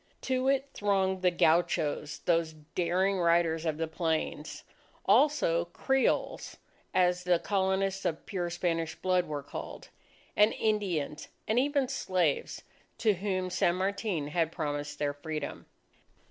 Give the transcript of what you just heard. To it thronged the gauchos, those daring riders of the plains, also Creoles as the Colonists of pure Spanish blood were called, and Indians, and even slaves, to whom San Martin had promised their freedom.